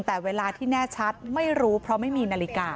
แต่เวลาที่แน่ชัดไม่รู้เพราะไม่มีนาฬิกา